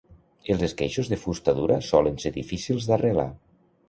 Els esqueixos de fusta dura solen ser difícils d'arrelar.